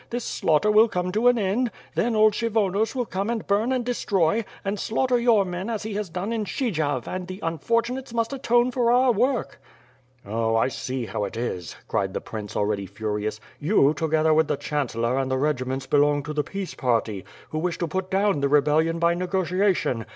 "'Hiis slaughter will come to an end; then old Kshyvonos will come and bum and destroy, and slaughter your men as he has done in Stshy jav and the unfortunates must atone for our work." "0, 1 see how it is," cried the prince, already furious, "you, together with the Chancellor and the regiments belong to the peace party, who wish to put down the rebellion by nego tiation.